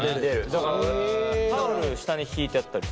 だからタオル下にひいてやったりする。